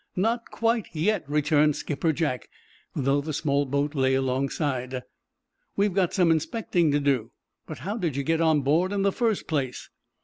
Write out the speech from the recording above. "Not quite yet," returned Skipper Jack, though the small boat lay alongside. "We've got some inspecting to do. But how did you get on board in the first place?"